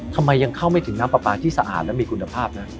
ทำไมยังเข้าไม่ถึงน้ำปลาปลาที่สะอาดและมีคุณภาพนะ